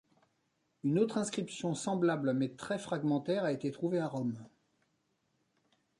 Une autre inscription semblable mais très fragmentaire a été trouvée à Rome.